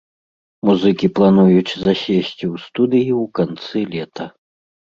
Музыкі плануюць засесці ў студыі ў канцы лета.